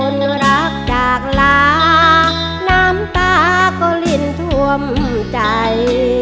รักจากลาน้ำตาก็ลินท่วมใจ